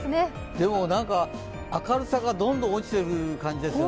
でも、明るさがどんどん落ちいていく感じですよね。